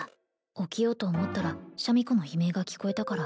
起きようと思ったらシャミ子の悲鳴が聞こえたから